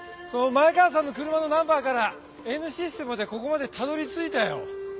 前川さんの車のナンバーからＮシステムでここまでたどりついたよ。